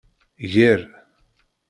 Ger.